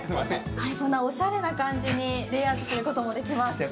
こんなおしゃれな感じにすることもできます。